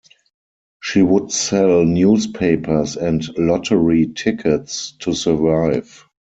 She would sell newspapers and lottery tickets to survive.